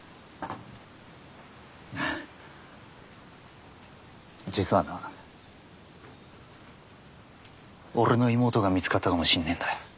ハッ実はな俺の妹が見つかったかもしんねえんだ。